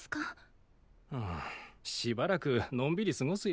うんしばらくのんびり過ごすよ。